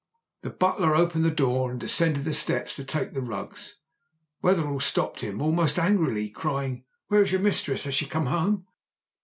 The butler opened the door and descended the steps to take the rugs. Wetherell stopped him almost angrily, crying: "Where is your mistress? Has she come home?"